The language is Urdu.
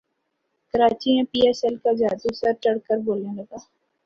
کراچی میں پی ایس ایل کا جادو سر چڑھ کر بولنے لگا